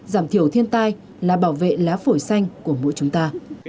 giảm thiểu thiên tai là bảo vệ lá phổi xanh của mỗi chúng ta